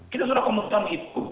kita sudah mengumumkan itu